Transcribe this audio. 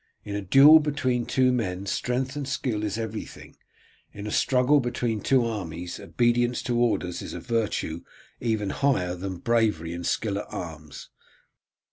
In a duel between two men strength and skill is everything; in a struggle between two armies obedience to orders is a virtue even higher than bravery and skill at arms.